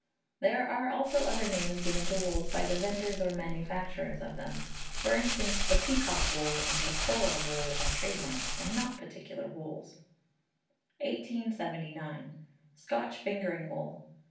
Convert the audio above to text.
There are also other names given to wools by the vendors or manufacturers of them: for instance, "The Peacock Wool" and "The Coral Wool" are trade marks, and not particular wools. 1879. Scotch Fingering Wool.